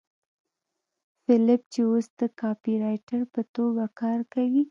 فیلیپ چې اوس د کاپيرایټر په توګه کار کوي